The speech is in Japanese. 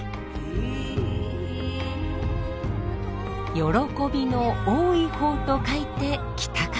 「喜びの多い方」と書いて喜多方。